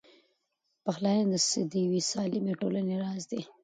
پخلاینه د یوې سالمې ټولنې راز دی.